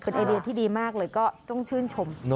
ไอเดียที่ดีมากเลยก็ต้องชื่นชม